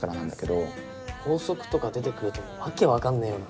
法則とか出てくると訳分かんねえよな。